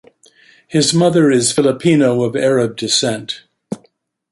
His mother is Filipino of Arab descent.